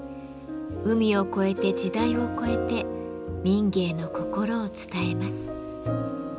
海を越えて時代を超えて民藝の心を伝えます。